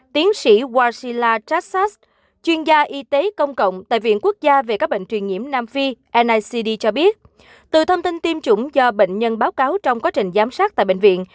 tiến sĩ washila trasas chuyên gia y tế công cộng tại viện quốc gia về các bệnh truyền nhiễm nam phi necd cho biết từ thông tin tiêm chủng do bệnh nhân báo cáo trong quá trình giám sát tại bệnh viện